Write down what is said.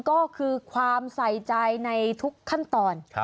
ก็คือความใส่ใจในทุกขั้นตอน